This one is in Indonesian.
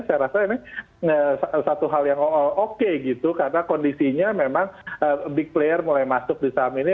saya rasa ini satu hal yang oke gitu karena kondisinya memang big player mulai masuk di saham ini